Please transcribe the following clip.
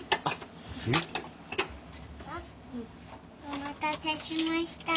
お待たせしました。